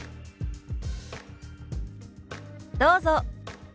どうぞ。